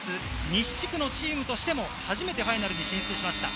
西地区のチームとしても初めてファイナルに進出しました。